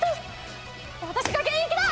私が現役だ！